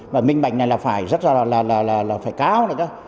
và minh bạch này là phải rất là là là là là phải cao nữa đó